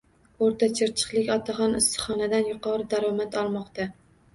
O‘rta Chirchiqlik otaxon issiqxonadan yuqori daromad olmoqda